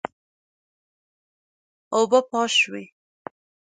اوبه پاش شوې.